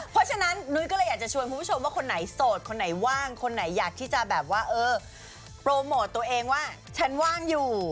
เพราะฉะนั้นนุ้ยก็เลยอยากจะชวนคุณผู้ชมว่าคนไหนโสดคนไหนว่างคนไหนอยากที่จะแบบว่าเออโปรโมทตัวเองว่าฉันว่างอยู่